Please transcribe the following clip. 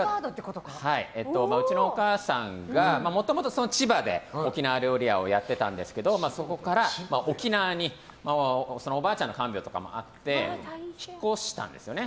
うちのお母さんがもともと千葉で沖縄料理屋をやっていたんですがそこから沖縄におばあちゃんの看病とかもあって引っ越したんですよね。